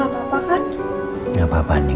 pak brahma apa kabar